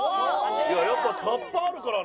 やっぱタッパあるからね。